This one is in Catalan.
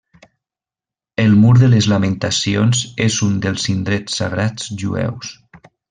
El mur de les Lamentacions és un dels indrets sagrats jueus.